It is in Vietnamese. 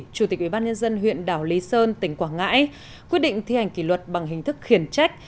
chủ tịch ubnd huyện đảo lý sơn tỉnh quảng ngãi quyết định thi hành kỷ luật bằng hình thức khiển trách